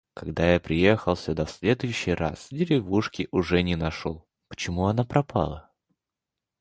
Когда я приехал сюда в следующий раз, деревушки уже не нашел. Почему она пропала?